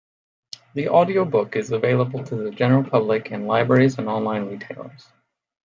The audio book is available to the general public in libraries and online retailers.